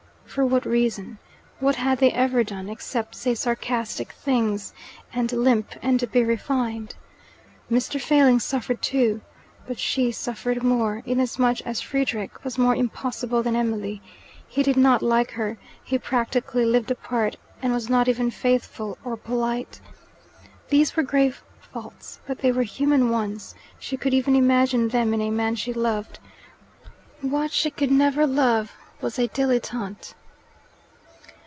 For what reason? What had they ever done, except say sarcastic things, and limp, and be refined? Mr. Failing suffered too, but she suffered more, inasmuch as Frederick was more impossible than Emily. He did not like her, he practically lived apart, he was not even faithful or polite. These were grave faults, but they were human ones: she could even imagine them in a man she loved. What she could never love was a dilettante.